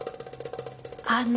あの。